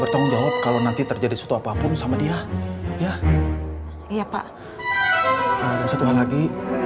bertanggung jawab kalau nanti terjadi suatu apapun sama dia ya iya pak ada satu hal lagi